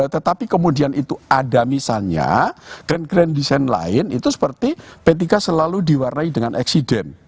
tetapi kemudian itu ada misalnya grand grand design lain itu seperti p tiga selalu diwarnai dengan eksiden